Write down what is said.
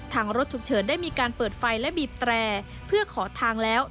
รถฉุกเฉินได้มีการเปิดไฟและบีบแตรเพื่อขอทางแล้ว